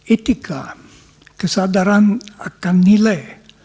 etika kesadaran akan nilai